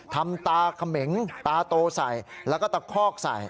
ทำตาเขมงตาโตใส่แล้วก็ตะคอกใส่